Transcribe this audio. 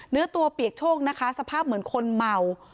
เนื้อตัวเปียกโชคนะคะสภาพเหมือนคนเมา